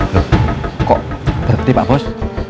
loh kok berhenti pak bos